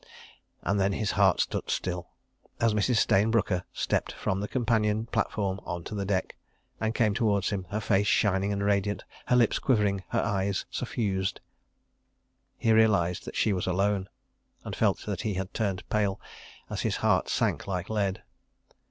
And then his heart stood still, as Mrs. Stayne Brooker stepped from the companion platform on to the deck, and came towards him—her face shining and radiant, her lips quivering, her eyes suffused. He realised that she was alone, and felt that he had turned pale, as his heart sank like lead.